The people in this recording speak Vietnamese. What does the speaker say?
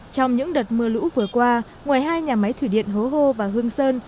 trong những đợt mưa lũ vừa qua ngoài hai nhà máy thủy điện hố hô và hương sơn